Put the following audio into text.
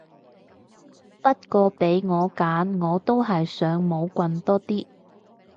不過俾我揀我都係想冇棍多啲